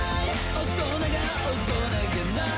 大人が大人気ない